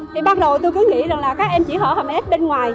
thì bắt đầu tôi cứ nghĩ rằng là các em chỉ hở hầm ếch bên ngoài